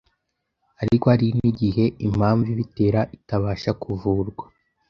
Ariko hari n’igihe impamvu ibitera itabasha kuvurwa